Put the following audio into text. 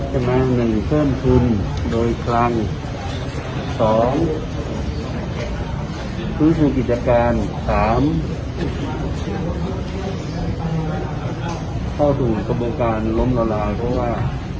ประมาณ๑เพิ่มทุนโดยคลัง๒ฟื้นกิจการ๓เข้าสู่กระบวนการล้มละลายเพราะว่า